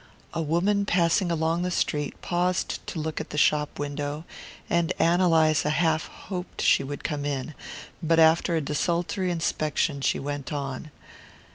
A woman passing along the street paused to look at the shop window, and Ann Eliza half hoped she would come in; but after a desultory inspection she went on.